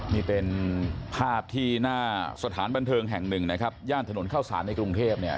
นี่เป็นภาพที่หน้าสถานบันเทิงแห่งหนึ่งนะครับย่านถนนเข้าสารในกรุงเทพเนี่ย